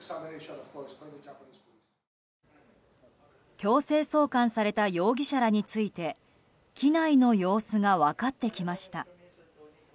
強制送還された容疑者らについて機内の様子が分かってきました。